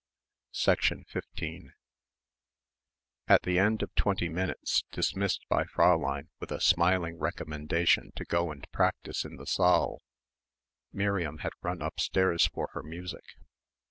15 At the end of twenty minutes, dismissed by Fräulein with a smiling recommendation to go and practise in the saal, Miriam had run upstairs for her music.